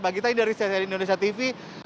mbak gita ini dari seti indonesia tv